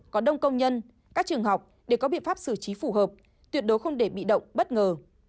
có đông công nhân các trường học để có biện pháp xử trí phù hợp tuyệt đối không để bị động bất ngờ